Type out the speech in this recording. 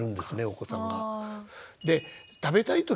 お子さんが。